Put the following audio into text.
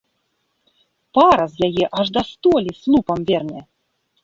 Пара з яе аж да столі слупам верне.